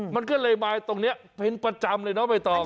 มันก็เลยมาตรงนี้เป็นประจำเลยน้องใบตอง